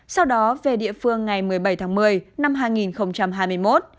sau đó về địa phương ngày một mươi bảy tháng một mươi năm hai nghìn hai mươi một